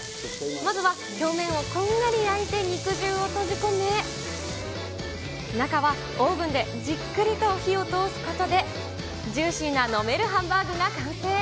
まずは表面をこんがり焼いて肉汁を閉じ込め、中はオーブンでじっくりと火を通すことで、ジューシーな飲めるハンバーグが完成。